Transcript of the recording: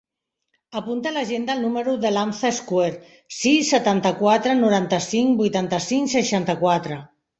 Apunta a l'agenda el número de l'Hamza Escuer: sis, setanta-quatre, noranta-cinc, vuitanta-cinc, seixanta-quatre.